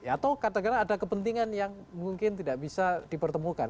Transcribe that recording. atau kadang kadang ada kepentingan yang mungkin tidak bisa dipertemukan